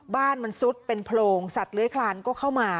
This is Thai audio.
บ้านมันซุดเป็นโพรงสัตว์เลื้อยคลานก็เข้ามา